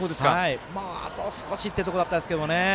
あと少しというところだったんですけどね。